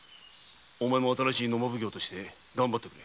お前も新しい野馬奉行として頑張ってくれ。